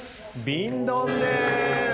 瓶ドンでーす。